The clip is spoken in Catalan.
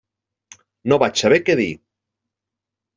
No vaig saber què dir.